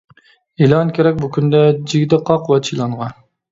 ئېلان كېرەك بۇ كۈندە، جىگدە، قاق ۋە چىلانغا.